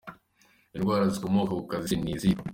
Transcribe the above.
Indwara zikomoka ku kazi se ni izihe ?.